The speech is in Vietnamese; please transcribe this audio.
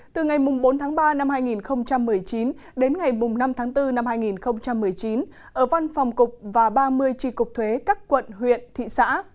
từ ngày bốn tháng ba năm hai nghìn một mươi chín đến ngày năm tháng bốn năm hai nghìn một mươi chín ở văn phòng cục và ba mươi tri cục thuế các quận huyện thị xã